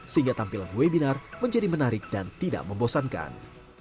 sehingga tampilan webinar menjadi menarik dan tidak membosankan